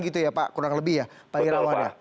gitu ya pak kurang lebih ya pak irawan ya